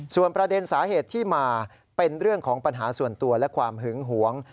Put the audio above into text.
ส่วนประเด็นสาเหตุที่มาเป็นเรื่องของปัญหาส่วนตัวและความหึงหวง